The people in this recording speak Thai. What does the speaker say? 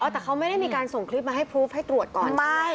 แต่เขาไม่ได้มีการส่งคลิปมาให้พลูฟให้ตรวจก่อน